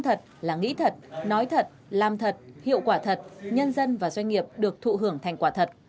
thật là nghĩ thật nói thật làm thật hiệu quả thật nhân dân và doanh nghiệp được thụ hưởng thành quả thật